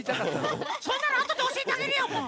そんなのあとでおしえてあげるよもう！